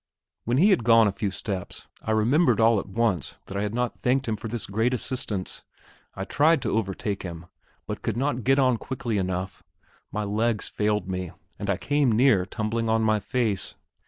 When he had gone a few steps, I remembered all at once that I had not thanked him for this great assistance. I tried to overtake him, but could not get on quickly enough; my legs failed me, and I came near tumbling on my face.